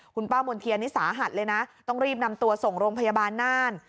คุณป้ามณ์เทียนนี่สาหัสเลยนะต้องรีบนำตัวส่งโรงพยาบาลน่าน